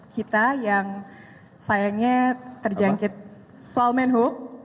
kita yang sayangnya terjangkit soal manhoo